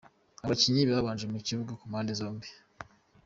Abakinnyi babanje mu kibuga ku mapnde zombi :